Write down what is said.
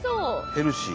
ヘルシー。